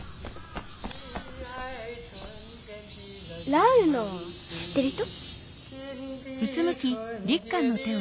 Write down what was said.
ランウの知ってる人？